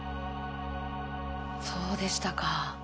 そうでしたか。